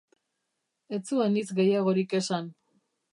Ez zuen hitz gehiagorik esan.